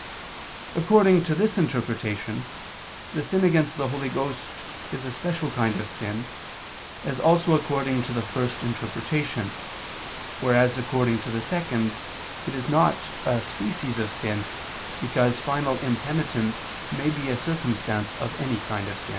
According to this interpretation the sin against the Holy Ghost is a special kind of sin, as also according to the first interpretation: whereas according to the second, it is not a species of sin, because final impenitence may be a circumstance of any kind of sin.